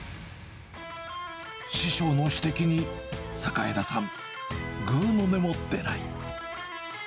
師匠の指摘に、榮田さん、ぐうの音も出ない。